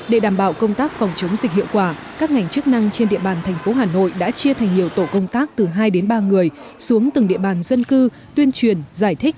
để đảm bảo công tác phòng chống dịch hiệu quả các ngành chức năng trên địa bàn thành phố hà nội đã chia thành nhiều tổ công tác từ hai đến ba người xuống từng địa bàn dân cư tuyên truyền giải thích